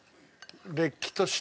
れっきとした。